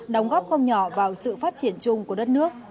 đóng góp không nhỏ vào sự phát triển chung của đất nước